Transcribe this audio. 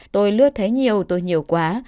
tôi lướt thấy nhiều tôi nhiều quá